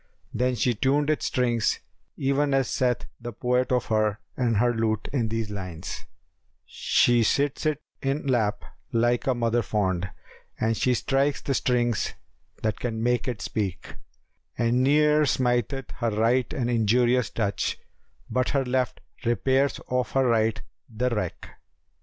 Then she tuned its strings, even as saith the poet of her and her lute in these lines, "She sits it in lap like a mother fond * And she strikes the strings that can make it speak: And ne'er smiteth her right an injurious touch * But her left repairs of her right the wreak.